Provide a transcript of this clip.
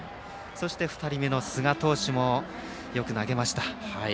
２人目の寿賀投手もよく投げました。